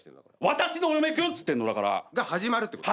『わたしのお嫁くん』っつってんの。が始まるってこと？